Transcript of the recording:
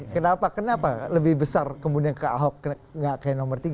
kenapa kenapa lebih besar kemudian ke ahok tidak kayak nomor tiga